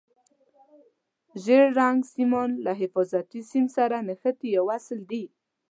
ژېړ رنګ سیمان له حفاظتي سیم سره نښتي یا وصل دي.